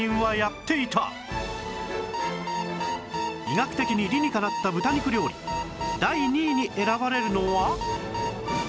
医学的に理にかなった豚肉料理第２位に選ばれるのは